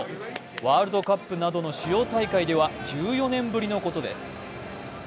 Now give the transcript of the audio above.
ワールドカップなどの主要大会では１４年ぶりのことです。